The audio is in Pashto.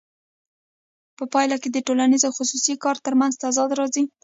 په پایله کې د ټولنیز او خصوصي کار ترمنځ تضاد راځي